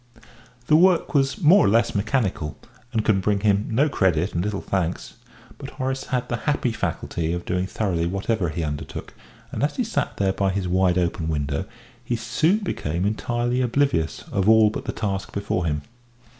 The work was more or less mechanical, and could bring him no credit and little thanks, but Horace had the happy faculty of doing thoroughly whatever he undertook, and as he sat there by his wide open window he soon became entirely oblivious of all but the task before him.